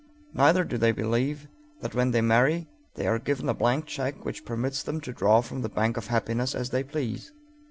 Neither do they believe that when they marry, they are given a blank check which permits them to draw from the bank of happiness as they please.